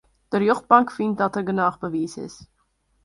De rjochtbank fynt dat der genôch bewiis is.